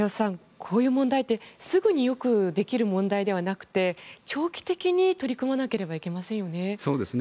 こういう問題ってすぐによくできる問題ではなくて長期的に取り組まなければいけませんよね。